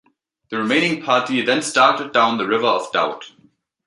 The remaining party then started down the River of Doubt.